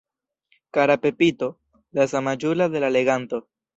Kara Pepito, la samaĝulo de la leganto!